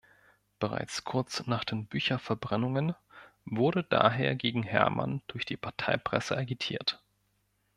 Bereits kurz nach den Bücherverbrennungen wurde daher gegen Herrmann durch die Parteipresse agitiert.